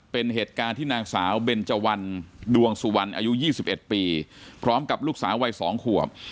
เป็นเหตุการณ์ที่นางสาวเบนเจวันดวงสุวรรณอายุ๒๑ปีพร้อมกับลูกสาววัย๒ขวบ